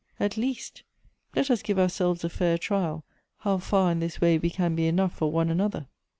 At least, let us give ourselves a fair trial how far in this way we can be enough for one another."